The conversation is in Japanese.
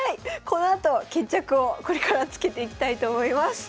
このあと決着をこれからつけていきたいと思います。